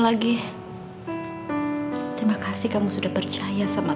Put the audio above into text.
tante ini kamar aku raja dan arsila